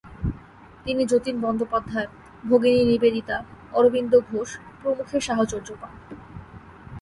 তিনি যতীন বন্দ্যোপাধ্যায়, ভগিনী নিবেদিতা, অরবিন্দ ঘোষ প্রমুখের সাহচর্য পান।